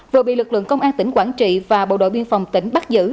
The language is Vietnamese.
vừa bị lực lượng công an tỉnh quảng trị và bộ đội biên phòng tỉnh bắt giữ